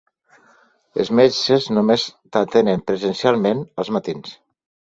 Els metges només t'atenen presencialment als matins.